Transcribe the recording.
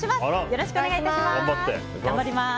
よろしくお願いします。